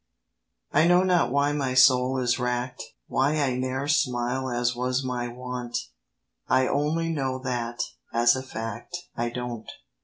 I KNOW not why my soul is rack'd Why I ne'er smile as was my wont: I only know that, as a fact, I don't.